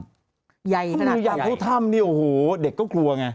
คืออยากเข้าถ้ำนี่โอ้โหเด็กก็กลัวไง